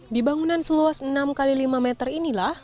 di bangunan seluas enam x lima meter inilah